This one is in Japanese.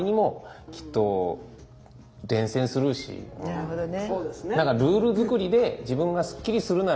なるほどね。